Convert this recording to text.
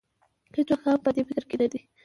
هېڅوک هم په دې فکر کې نه دی.